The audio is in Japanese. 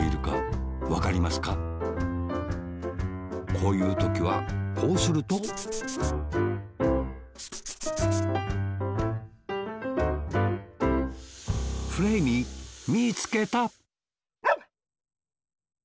こういうときはこうするとフレーミーみつけたワン！